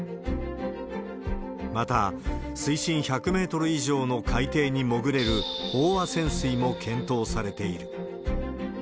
また、水深１００メートル以上の海底に潜れる飽和潜水も検討されている。